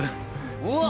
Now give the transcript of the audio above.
うわっ！